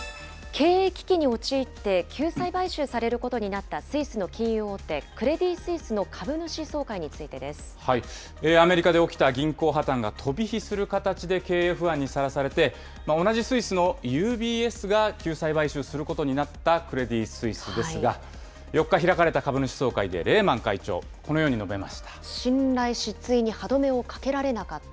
経営危機に陥って救済買収されることになったスイスの金融大手、クレディアメリカで起きた銀行破綻が飛び火する形で経営不安にさらされて、同じスイスのＵＢＳが救済買収することになったクレディ・スイスですが、４日開かれた株主総会でレーマン会長、このように述べま信頼失墜に歯止めをかけられなかった。